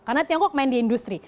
karena tiongkok main di industri